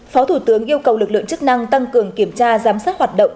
phó thủ tướng yêu cầu lực lượng chức năng tăng cường kiểm tra giám sát hoạt động